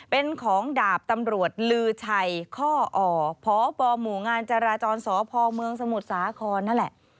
เป็นของดาบตำรวจลือชัยข้ออ่อพบหมู่งานจราจรสพเมืองสมุทรสาครนั่นแหละ